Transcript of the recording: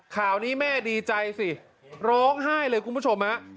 ข่าวนี้แม่ดีใจสิร้องไห้เลยคุณผู้ชมฮะ